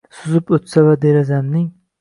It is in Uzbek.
Suzib o’tsa va derazamning